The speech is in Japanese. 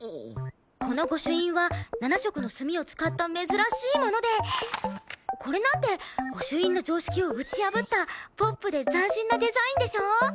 この御朱印は７色の墨を使った珍しいものでこれなんて御朱印の常識を打ち破ったポップで斬新なデザインでしょ？